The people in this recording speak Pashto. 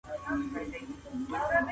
زه اوس د باغ بوټو ته اوبه ورکوم.